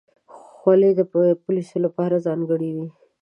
خولۍ د پولیسو لپاره ځانګړې وي.